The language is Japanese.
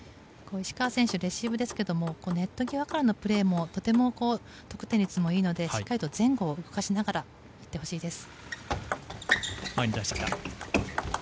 石川選手、レシーブですがネット際からのプレーもとても得点率がいいのでしっかりと前後を動かしながら打ってほしいです。